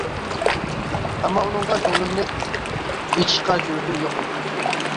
ئەمما ئۇنىڭغا كۆڭلۈمنى ئېچىشقا جۈرئىتىم يوق ئىدى.